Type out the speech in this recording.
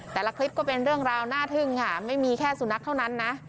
แต่ละคลิปก็เป็นเรื่องราวน่าทึ่งค่ะไม่มีแค่สุนัขเท่านั้นนะ